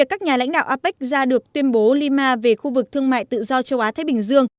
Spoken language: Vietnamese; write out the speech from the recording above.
apec ra được tuyên bố lima về khu vực thương mại tự do châu á thái bình dương